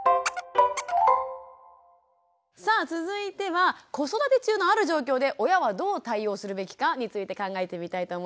さあ続いては子育て中のある状況で親はどう対応するべきかについて考えてみたいと思います。